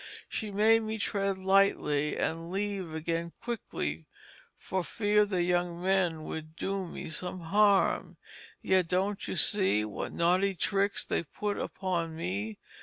She bade me tread Lightly And leave again Quickly, For fear the Young Men should do me some Harm. Yet! don't you see? What naughty tricks they put upon me!